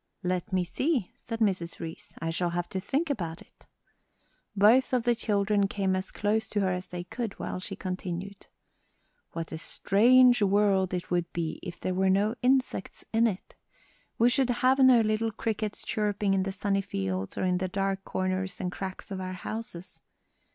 "Let me see," said Mrs. Reece, "I shall have to think about it." Both of the children came as close to her as they could, while she continued: "What a strange world it would be if there were no insects in it! We should have no little crickets chirping in the sunny fields or in the dark corners and cracks of our houses.